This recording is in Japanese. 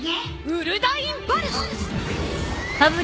ウルダインパルス！